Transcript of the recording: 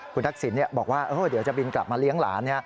คุณทักษิณบอกว่าเดี๋ยวจะบินกลับมาเลี้ยงหลาน